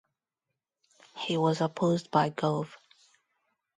He was opposed by Gov.